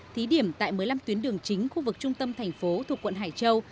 thí điểm tại một mươi năm tuyến đường chính khu vực trung tâm thành phố thuộc quận hải châu